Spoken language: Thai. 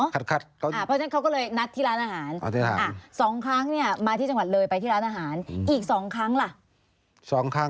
ขัดกันหน่อยเนอะ